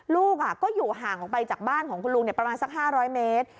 ลูกก็อยู่ห่างไปจากบ้านคุณลุงประมาณสักห้าร้อยเมตร